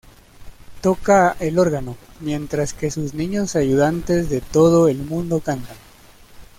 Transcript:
Toca el órgano, mientras que sus niños ayudantes de todo el mundo cantan.